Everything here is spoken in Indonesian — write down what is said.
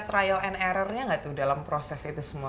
ada trial and error nya gak tuh dalam proses itu semua